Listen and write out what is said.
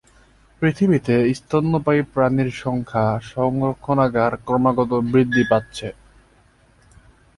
পৃথিবীতে স্তন্যপায়ী প্রাণীর সংখ্যা সংরক্ষণাগার ক্রমাগত বৃদ্ধি পাচ্ছে।